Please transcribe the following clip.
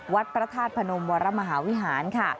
วัดพระธาตุพนมวรมหาวิหารค่ะ